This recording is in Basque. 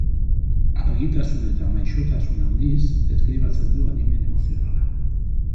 Argitasun eta maisutasun handiz deskribatzen du adimen emozionala.